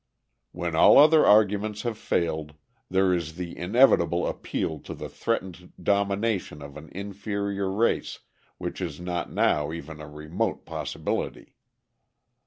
When all other arguments have failed, there is the inevitable appeal to the threatened domination of an inferior race which is not now even a remote possibility."